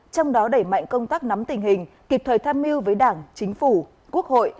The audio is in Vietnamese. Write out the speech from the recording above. trong đó đẩy mạnh công tác nắm tình hình kịp thời tham mưu với đảng chính phủ quốc hội